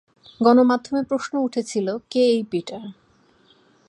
গণমাধ্যমে প্রশ্ন উঠেছিল কে এই পিটার?